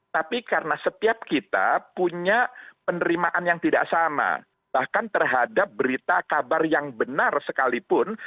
tapi karena setiap kita punya penerimaan yang tidak sama bahkan terhadap berita kabar yang benar sekalipun